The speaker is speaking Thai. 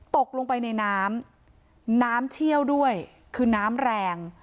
ตกลงไปในน้ำน้ำเชี่ยวด้วยคือน้ำแรง